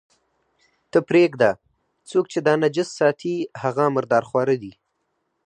ته پرېږده، څوک چې دا نجس ساتي، هغه مرداره خواره دي.